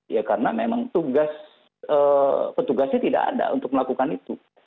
ya karena memang tugas petugasnya tidak ada untuk melakukan itu